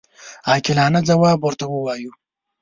عاقلانه ځواب ورته ووایو.